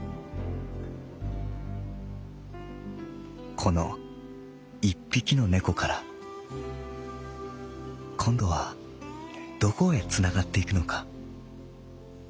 「この一匹の猫からこんどはどこへつながっていくのか。